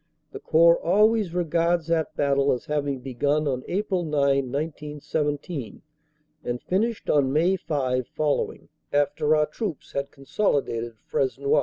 The Corps always regards that battle as having begun on April 9, 1917, and finished on May 5 following, after our troops had consolidated Fresnoy.